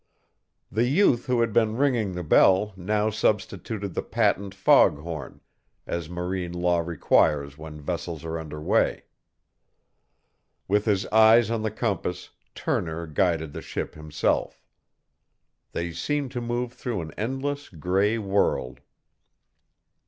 The youth who had been ringing the bell now substituted the patent fog horn, as marine law requires when vessels are under way. With his eyes on the compass, Turner guided the ship himself. They seemed to move through an endless gray world.